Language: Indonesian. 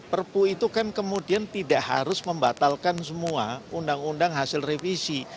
perpu itu kan kemudian tidak harus membatalkan semua undang undang hasil revisi